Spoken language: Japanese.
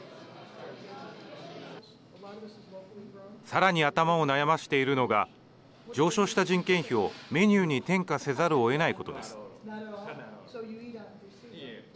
さらに頭を悩ませているのが上昇した人件費をメニューに転嫁せざるをえないことです。